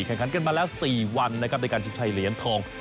แข่งขันกันมาแล้ว๔วันนะครับในการชิดชัยเหรียญทอง